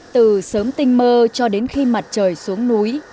từ sớm tinh mơ cho đến khi mặt trời xuống núi